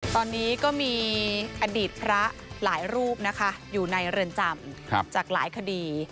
ตอนนี้ก็มีอดีตพระหลายรูปนะคะอยู่ในเรือนจำจากหลายคดี